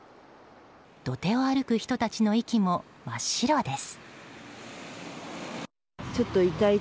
土手を歩く人たちの息も真っ白です。